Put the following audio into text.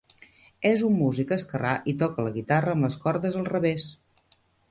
És un músic esquerrà i toca la guitarra amb les cordes al revés.